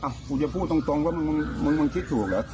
อ่ะกูจะพูดตรงว่ามึงคิดถูกเหรอ